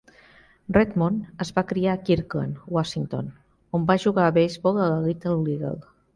Redmond es va criar a Kirkland, Washington, on va jugar a beisbol a la Little League.